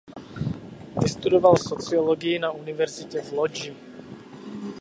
Vystudoval sociologii na univerzitě v Lodži.